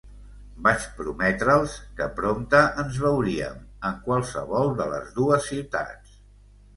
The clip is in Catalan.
Vaig prometre'ls que prompte ens veuríem, en qualsevol de les dues ciutats.